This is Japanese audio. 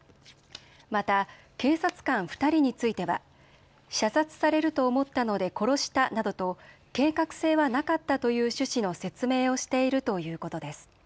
また警察官２人については射殺されると思ったので殺したなどと計画性はなかったという趣旨の説明をしているということです。